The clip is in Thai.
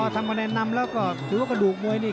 ทำคะแนนนำแล้วก็ถือว่ากระดูกมวยนี่